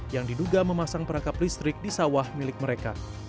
yang diduga memasang perangkap listrik di sawah milik mereka